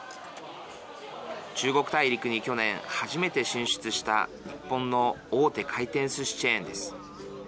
中国大陸に去年、初めて進出した日本の大手回転すしチェーンです。